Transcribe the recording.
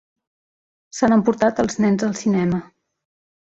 S'han emportat els nens al cinema.